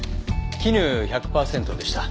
絹１００パーセントでした。